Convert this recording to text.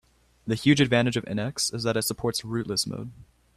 The huge advantage of NX is that it supports "rootless" mode.